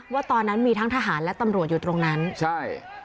ว่าตอนนั้นมีทั้งทหารและตำรวจอยู่ตรงนั้นใช่